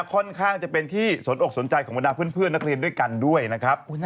ค่อนข้างจะเป็นที่สนอกสนใจของบรรดาเพื่อนนักเรียนด้วยกันด้วยนะครับ